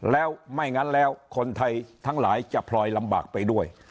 แล้วไม่งั้นแล้วคนไทยทั้งหลายจะพลอยลำบากไปด้วย